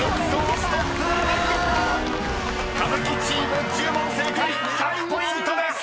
［歌舞伎チーム１０問正解１００ポイントです］